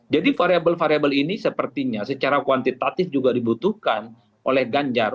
jadi variabel variabel ini sepertinya secara kuantitatif juga dibutuhkan oleh ganjar